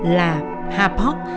là hà phúc